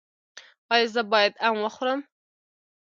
ایا زه باید ام وخورم؟